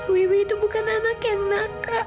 wiwi itu bukan anak yang nakal